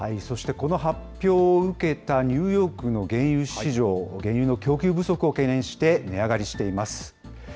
そしてこの発表を受けたニューヨークの原油市場、原油の供給不足を懸念して、値上がりしています。